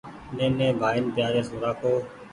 نيني ڀآئين پيآري سون رآکو ۔